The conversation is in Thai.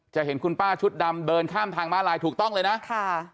เห็นคุณป้าชุดดำเดินข้ามทางม้าลายถูกต้องเลยนะค่ะ